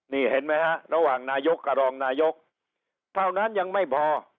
นี่เห็นไหมฮะระหว่างนายกกับรองนายกเท่านั้นยังไม่พอ